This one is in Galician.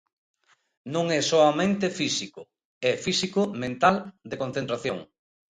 Non é soamente físico, é físico, mental, de concentración.